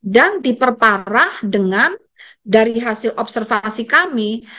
dan diperparah dengan dari hasil observasi kami